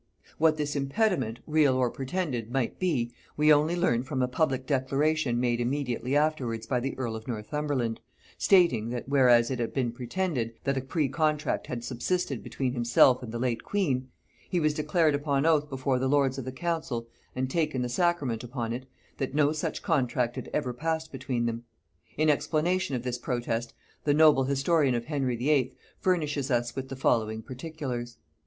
What this impediment, real or pretended, might be, we only learn from a public declaration made immediately afterwards by the earl of Northumberland, stating, that whereas it had been pretended, that a precontract had subsisted between himself and the late queen, he has declared upon oath before the lords of the council, and taken the sacrament upon it, that no such contract had ever passed between them. In explanation of this protest, the noble historian of Henry VIII. furnishes us with the following particulars.